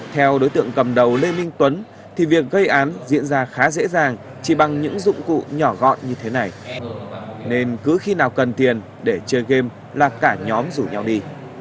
theo đối tượng cầm đầu lê minh tuấn thì việc gây án diễn ra khá dễ dàng chỉ bằng những dụng cụ nhỏ gọn như thế này nên cứ khi nào cần tiền để chơi game là cả nhóm rủ nhau đi